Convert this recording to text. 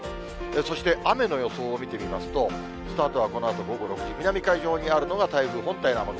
そして、雨の予想を見てみますと、スタートはこのあと午後６時、南海上にあるのが、台風本体の雨雲。